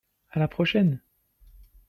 À la prochaine.